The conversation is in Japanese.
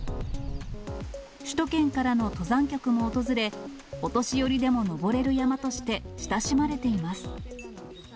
首都圏からの登山客も訪れ、お年寄りでも登れる山として、親しまれています。